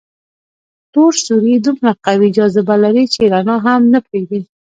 تور سوري دومره قوي جاذبه لري چې رڼا هم نه پرېږدي.